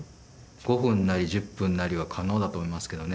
５分なり１０分なりは可能だと思いますけどね